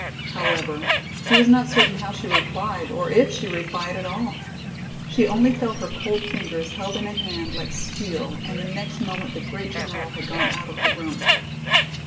However, she was not certain how she replied or if she replied at all. She only felt her cold fingers held in a hand like steel and the next moment the great general had gone out of the room.